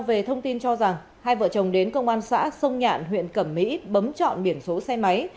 về thông tin cho rằng hai vợ chồng đến công an xã sông nhạn huyện cẩm mỹ bấm chọn biển số xe máy